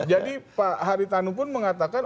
jadi pak haritanu pun mengatakan